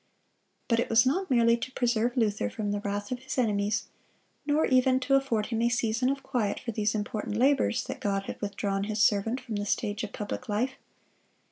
But it was not merely to preserve Luther from the wrath of his enemies, nor even to afford him a season of quiet for these important labors, that God had withdrawn His servant from the stage of public life.